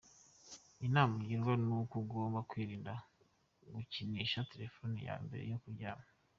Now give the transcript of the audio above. Inama ugirwa ni uko ugomba kwirinda gukinisha telefone yawe mbere yo kuryama.